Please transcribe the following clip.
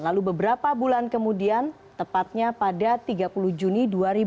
lalu beberapa bulan kemudian tepatnya pada tiga puluh juni dua ribu dua puluh